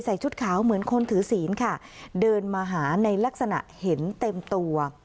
ชุดขาวเหมือนคนถือศีลค่ะเดินมาหาในลักษณะเห็นเต็มตัว